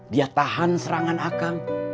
dia tahan serangan akang